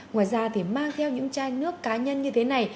ngoài ra thì mang theo những chai nước cá nhân như thế này